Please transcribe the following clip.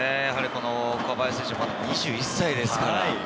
岡林選手はまだ２１歳ですから。